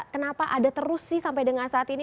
kenapa ada terus sih sampai dengan saat ini